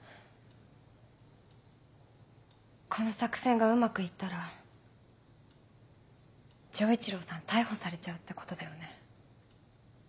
この作戦がうまく行ったら丈一郎さん逮捕されちゃうってことだよね？